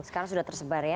sekarang sudah tersebar ya